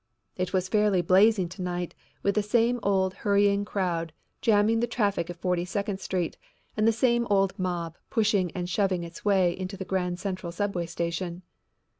It was fairly blazing tonight with the same old hurrying crowd jamming the traffic at Forty second Street and the same old mob pushing and shoving its way into the Grand Central subway station."